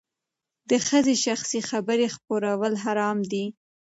د ښځې شخصي خبرې خپرول حرام دي.